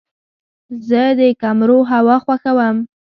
زه د کمرو هوا خوښوم.